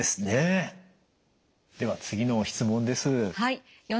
では次の質問です。